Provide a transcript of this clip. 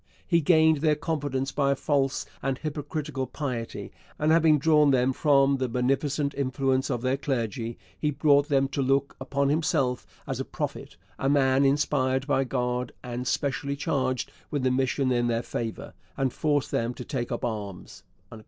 He gained their confidence by a false and hypocritical piety, and having drawn them from the beneficent influence of their clergy, he brought them to look upon himself as a prophet, a man inspired by God and specially charged with a mission in their favour, and forced them to take up arms.